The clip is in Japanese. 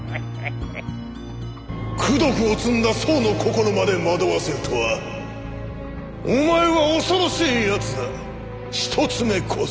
・功徳を積んだ僧の心まで惑わせるとはお前は恐ろしいやつだ一つ目小僧。